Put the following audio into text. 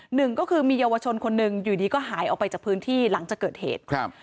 หนึ่งก็คือมีเยาวชนคนหนึ่งอยู่ดีก็หายออกไปจากพื้นที่หลังจากเกิดเหตุครับ